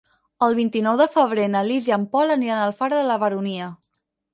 El vint-i-nou de febrer na Lis i en Pol aniran a Alfara de la Baronia.